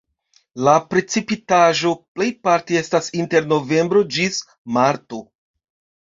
La precipitaĵo plejparte estas inter novembro ĝis marto.